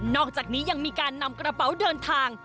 อกจากนี้ยังมีการนำกระเป๋าเดินทาง